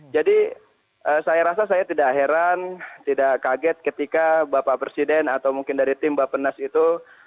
jadi saya rasa saya tidak heran tidak kaget ketika bapak presiden atau mungkin dari tim bapak nas itu